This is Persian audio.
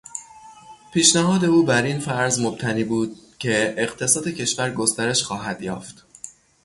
پیشنهاد او بر این فرض مبتنی بود که اقتصاد کشور گسترش خواهد یافت.